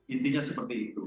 intinya seperti itu